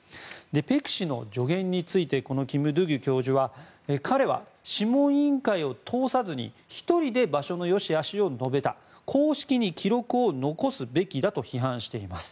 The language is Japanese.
ペク氏の助言についてこのキム・ドゥギュ教授は彼は諮問委員会を通さずに１人で場所のよしあしを述べた公式に記録を残すべきだと批判しています。